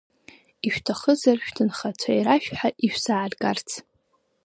Ишәҭахызар шәҭынхацәа ирашәҳәа ишәзааргарц.